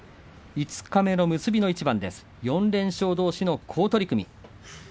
五日目、結びの一番４連勝どうしの好取組。